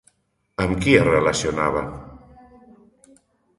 Amb qui es relacionava?